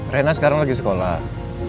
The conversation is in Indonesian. reina sekarang lagi sekolah